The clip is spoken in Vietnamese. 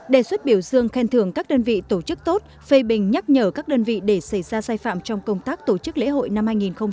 đề xuất biểu dương khen thường các đơn vị tổ chức tốt phê bình nhắc nhở các đơn vị để xảy ra sai phạm trong công tác tổ chức lễ hội năm hai nghìn hai mươi